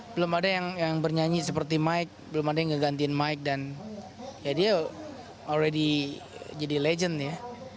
belum ada yang bernyanyi seperti mike belum ada yang ngegantiin mike dan ya dia ready jadi legend ya